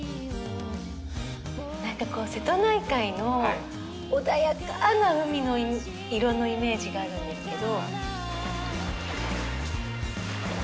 何かこう瀬戸内海の穏やかな海の色のイメージがあるんですけど。